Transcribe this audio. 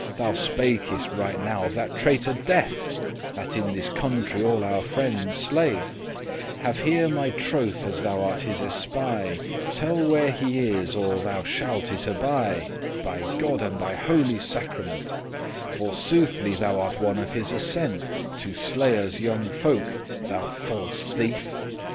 Thou spakest right now of that traitor Death, That in this country all our friendes slay'th; Have here my troth, as thou art his espy;* *spy Tell where he is, or thou shalt it abie,* *suffer for By God and by the holy sacrament; For soothly thou art one of his assent To slay us younge folk, thou false thief."